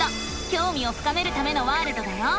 きょうみを深めるためのワールドだよ！